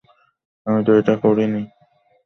আমি তো এটা করিনি।